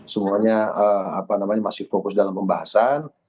semuanya masih fokus dalam pembahasan